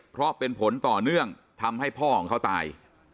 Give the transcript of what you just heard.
เพราะเป็นผลต่อเนื่องทำให้พ่อของเขาตาย